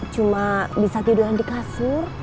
cuma bisa tiduran di kasur